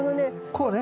こうね。